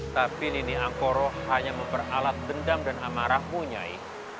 tapi nini angkoro hanya memperalat dendam dan amarahmu nyai